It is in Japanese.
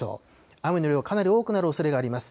雨の量かなり多くなるおそれがあります。